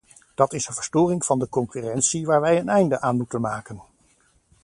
Dat is een verstoring van de concurrentie waar wij een einde aan moeten maken.